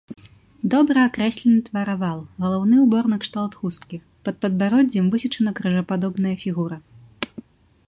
Добра акрэслены твар-авал, галаўны ўбор накшталт хусткі, пад падбароддзем высечана крыжападобная фігура.